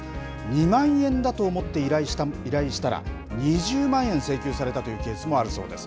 ２万円だと思って依頼したら２０万円請求されたというケースもあるそうです。